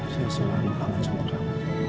saya selalu kangen sama kamu